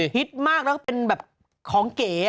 ฮิตมากแล้วก็เป็นแบบของเก๋